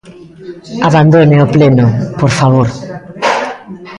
Abandone o pleno, por favor.